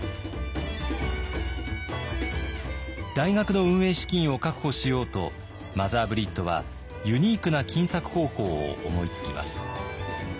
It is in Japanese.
大学の運営資金を確保しようとマザー・ブリットはユニークな金策方法を思いつきます。